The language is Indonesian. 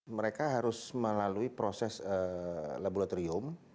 mereka harus melalui proses laboratorium